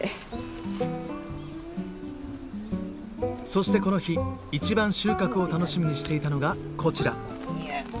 そしてこの日一番収穫を楽しみにしていたのがこちら。